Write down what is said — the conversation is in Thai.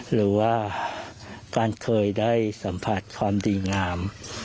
หรือว่าการเคยได้สัมผัสความดีงาม